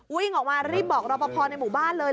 วิ่งออกมารีบบอกรอปภในหมู่บ้านเลย